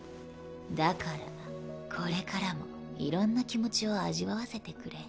だからこれからもいろんな気持ちを味わわせてくれ。